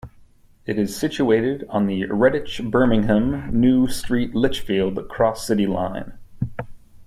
It is situated on the Redditch-Birmingham New Street-Lichfield Cross-City Line.